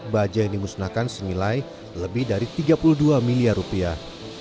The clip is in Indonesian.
baja yang dimusnahkan senilai lebih dari tiga puluh dua miliar rupiah